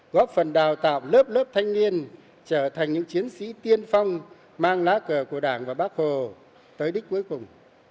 góp phần đào tạo lớp lớp thanh niên trở thành những chiến sĩ tiên phong mang lá cờ của đảng và bác hồ tới đích cuối cùng